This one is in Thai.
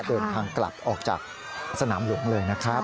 เดินทางกลับออกจากสนามหลวงเลยนะครับ